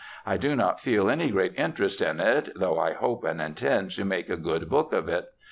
I do not feel any great interest in it, though I hope and intend to make a good book of it.